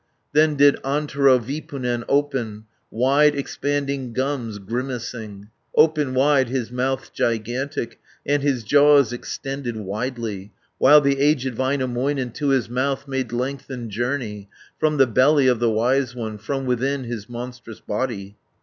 Then did Antero Vipunen open Wide expanding gums grimacing, Open wide his mouth gigantic, And his jaws extended widely, While the aged Väinämöinen To his mouth made lengthened journey, 600 From the belly of the wise one, From within his monstrous body.